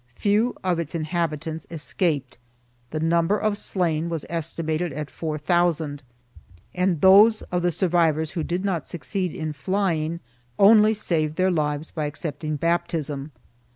Few of its inhabitants escaped; the number of slain was estimated at four thousand and those of the survivors who did not succeed in flying only saved their lives by accepting baptism.